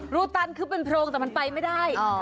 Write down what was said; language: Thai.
รูตันคือเป็นโพรงแต่มันไปไม่ได้